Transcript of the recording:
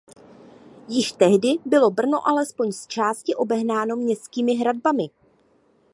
Již tehdy bylo Brno alespoň zčásti obehnáno městskými hradbami.